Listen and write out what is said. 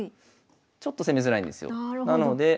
ちょっと攻めづらいんですよ。